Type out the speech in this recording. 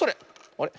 あれ？